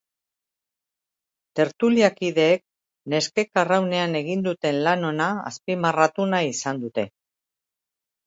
Tertuliakideek neskek arraunean egin duten lan ona azpimarratu nahi izan dute.